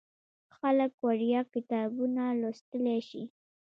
خلک وړیا کتابونه لوستلی شي.